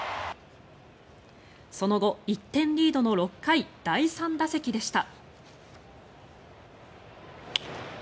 その後、１点リードの６回第３打席でした。